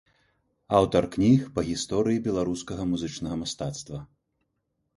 Аўтар кніг па гісторыі беларускага музычнага мастацтва.